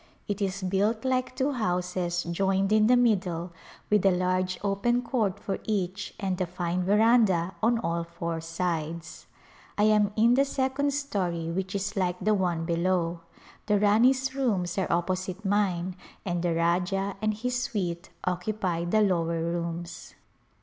It is built like two houses joined in the middle with a large open court for each and a fine veranda on all four sides. I am in the second story which is like the one below. The Rani's rooms are opposite mine and the Rajah and his suite occupy the lower rooms.